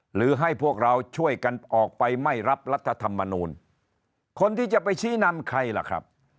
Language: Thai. หรือให้พวกเราช่วยกันออกไปไม่รับรัฐธรรมนูลคนที่จะไปชี้นำใครล่ะครับ